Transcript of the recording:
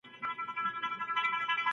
په ځان غوښتلې ځان وژنه کي فرد مهم دی.